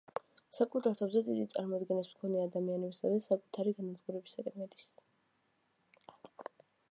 საკუთარ თავზე დიდი წარმოდგენის მქონე ადამიანების გზები საკუთარი განადგურებისკენ მიდის.